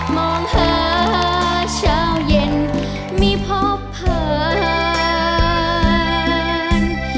มองหาเช้าเย็นไม่พบผ่าน